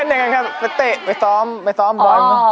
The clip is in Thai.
ไม่ใช่เล่นเดียวกันครับไปเตะไปซ้อมไปซ้อมบอล